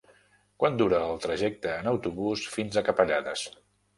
Quant dura el trajecte en autobús fins a Capellades?